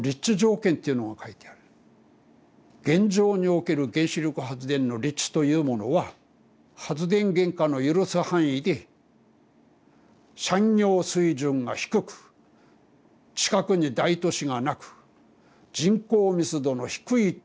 現状における原子力発電の立地というものは発電原価の許す範囲で産業水準が低く近くに大都市がなく人口密度の低いところであること。